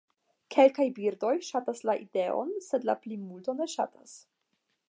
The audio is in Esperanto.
Kelkaj birdoj ŝatas la ideon, sed la plimulto ne ŝatas.